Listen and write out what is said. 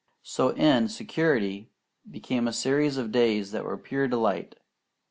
So in security began a series of days that were pure delight.